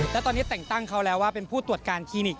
แล้วตอนนี้แต่งตั้งเขาแล้วว่าเป็นผู้ตรวจการคลินิก